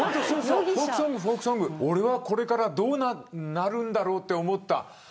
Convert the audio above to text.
俺はこれからどうなるんだろう、と思った。